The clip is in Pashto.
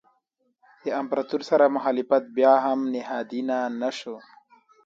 د امپراتور سره مخالفت بیا هم نهادینه نه شو.